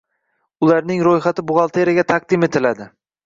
Ularning ro‘yxati buxgalteriyaga taqdim etiladi.